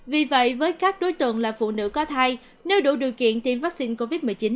vì vậy với các đối tượng là phụ nữ có thai nếu đủ điều kiện tiêm vaccine covid một mươi chín